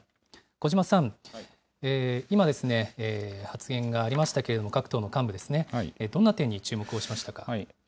小嶋さん、今ですね、発言がありましたけれども、各党の幹部ですね、どんな点に注目をしましたか。